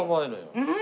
うん！